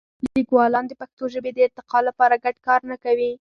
لیکوالان د پښتو ژبې د ارتقا لپاره ګډ کار نه کوي.